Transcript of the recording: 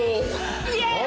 イェーイ！